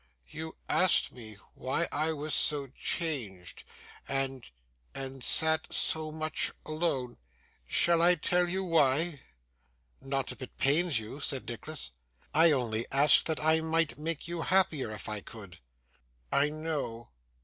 You asked me why I was so changed, and and sat so much alone. Shall I tell you why?' 'Not if it pains you,' said Nicholas. 'I only asked that I might make you happier, if I could.' 'I know.